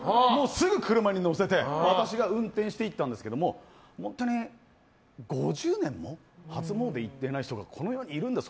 すぐ車に乗せて私が運転していったんですけども本当に５０年も初詣に行ってない人がこの世にいるんだと。